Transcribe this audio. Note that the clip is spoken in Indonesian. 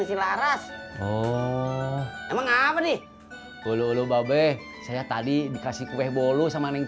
di silaras oh emang ngapain di dulu dulu mbak be saya tadi dikasih kue bolu sama neng